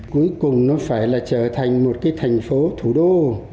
cuối cùng nó phải là trở thành một cái thành phố thủ đô